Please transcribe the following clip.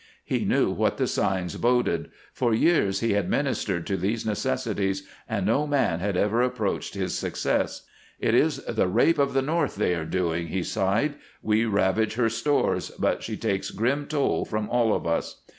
He knew what the signs boded. For years he had ministered to these necessities, and no man had ever approached his success. "It is the rape of the North they are doing," he sighed. "We ravage her stores, but she takes grim toll from all of us."